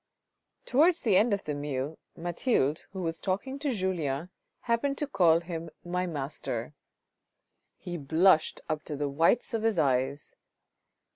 Towards the end of the meal, Mathilde, who was talking to Julien, happened to call him " My Master." He blushed up to the whites of his eyes.